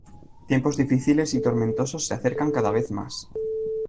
Tiempos difíciles y tormentosos se acercan cada vez más.